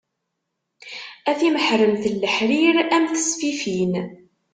A timeḥremt n leḥrir, a m tesfifin.